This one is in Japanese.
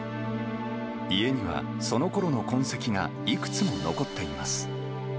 家にはそのころの痕跡がいくつも残っています。